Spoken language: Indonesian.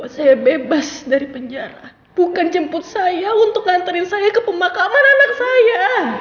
saya bebas dari penjara bukan jebuk saya untuk nganterin saya kepada makam anak nana saya